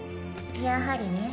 やはりね。